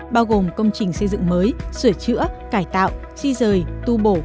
bao gồm công trình xây dựng mới sửa chữa cải tạo di rời tu bổ